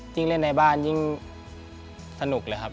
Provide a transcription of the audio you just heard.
ยิ่งเล่นในบ้านยิ่งสนุกเลยครับ